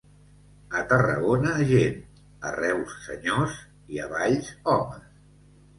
A Tarragona gent, a Reus senyors i a Valls homes.